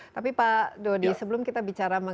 tapi pak dodi sebelum kita bicara